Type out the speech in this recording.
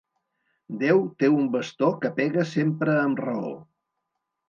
Déu té un bastó que pega sempre amb raó.